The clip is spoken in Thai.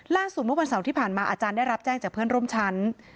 เมื่อวันเสาร์ที่ผ่านมาอาจารย์ได้รับแจ้งจากเพื่อนร่วมชั้น